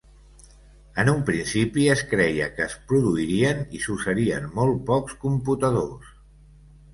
En un principi es creia que es produirien i s'usarien molt pocs computadors.